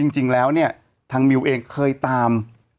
จริงแล้วเนี่ยทางมิวเองเคยตาม